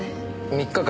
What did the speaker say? ３日間？